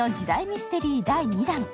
ミステリー第２弾。